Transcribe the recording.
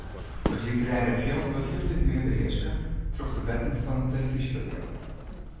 It literêre fjild wurdt hieltyd mear behearske troch de wetten fan it telefyzjebedriuw.